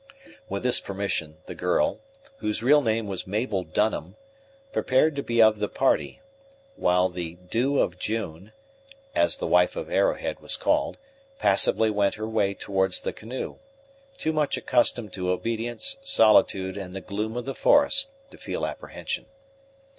With this permission, the girl, whose real name was Mabel Dunham, prepared to be of the party; while the Dew of June, as the wife of Arrowhead was called, passively went her way towards the canoe, too much accustomed to obedience, solitude, and the gloom of the forest to feel apprehension.